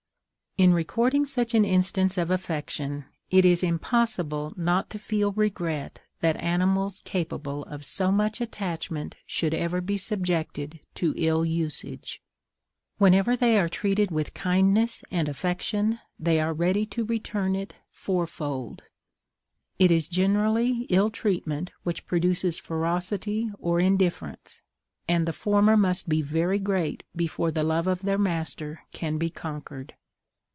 In recording such an instance of affection, it is impossible not to feel regret that animals capable of so much attachment should ever be subjected to ill usage. Whenever they are treated with kindness and affection, they are ready to return it four fold. It is generally ill treatment which produces ferocity or indifference, and the former must be very great before the love of their master can be conquered.